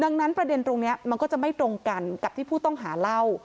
ดังนั้นประเด็นตรงนี้มันก็จะไม่ตรงกันกับที่ผู้ต้องหาเล่า